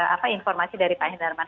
apa informasi dari pak hendarman